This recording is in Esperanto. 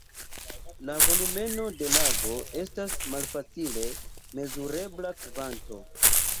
La volumeno de lago estas malfacile mezurebla kvanto.